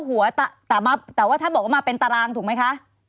หัวแต่ว่าถ้าบอกว่ามาเป็นตารางถูกไหมคะ